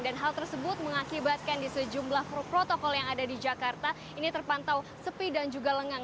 dan hal tersebut mengakibatkan di sejumlah protokol yang ada di jakarta ini terpantau sepi dan juga lengang